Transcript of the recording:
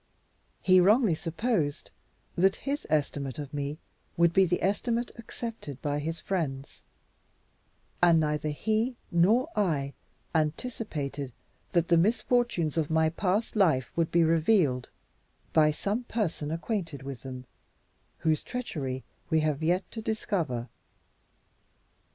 He wrongly supposed that his estimate of me would be the estimate accepted by his friends; and neither he nor I anticipated that the misfortunes of my past life would be revealed by some person acquainted with them, whose treachery we have yet to discover.